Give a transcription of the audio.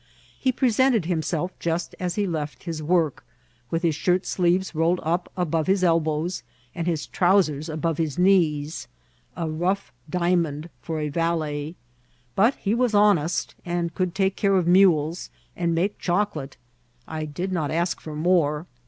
He presented himself just as he left his work, with his shirt sleeves rolled up above his elbows, and his trou* sers above his knees : a rough diamond for a valet ; but he was honest, could take care of mules, and make chocolate. I did not ask more.